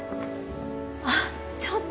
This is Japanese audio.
あっちょっと！